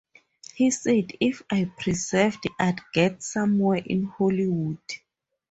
He said if I persevered I'd get somewhere in Hollywood.